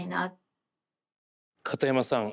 片山さん